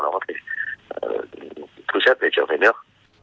để có thể thu xét về trường về nước